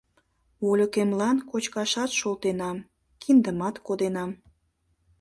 Вольыкемлан кочкашат шолтенам, киндымат коденам.